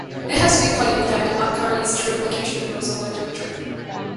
It has been claimed that McCarthy's true vocation was literature.